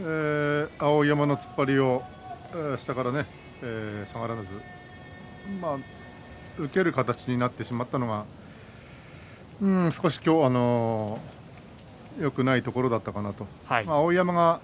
碧山の突っ張りを下から下がらず受ける形になってしまったのが少しよくないところだったのかな碧山が。